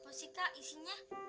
apa sih kak isinya